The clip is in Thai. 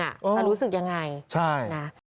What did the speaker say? จะรู้สึกอย่างไรนะครับใช่นะครับใช่